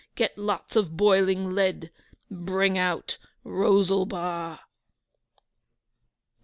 get lots of boiling lead! Bring out ROSALBA!' XVI.